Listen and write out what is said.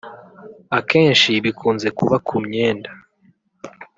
Akenshi bikunze kuba ku myenda